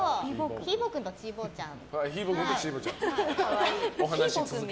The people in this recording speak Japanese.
ひー坊君とちー坊ちゃん。